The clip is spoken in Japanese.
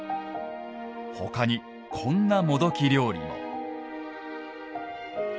他に、こんなもどき料理も。